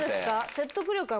説得力は。